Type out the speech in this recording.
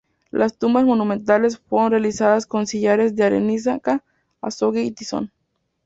Las tumbas monumentales fueron realizadas con sillares de arenisca, azogue y tizón.